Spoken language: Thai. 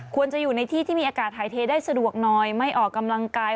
ควรจะอยู่ในที่ที่มีอากาศหายเทได้สะดวกหน่อยไม่ออกกำลังกาย